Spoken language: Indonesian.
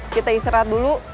kita istirahat dulu